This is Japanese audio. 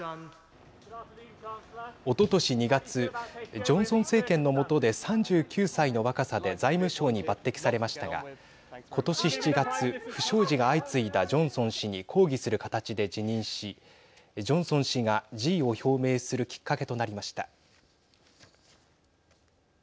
おととし２月ジョンソン政権のもとで３９歳の若さで財務相に抜てきされましたが、今年７月不祥事が相次いだジョンソン氏に抗議する形で辞任しジョンソン氏が辞意を表明するきっかけとなりました。